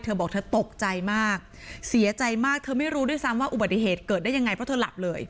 บอกเธอตกใจมากเสียใจมากเธอไม่รู้ด้วยซ้ำว่าอุบัติเหตุเกิดได้ยังไงเพราะเธอหลับเลย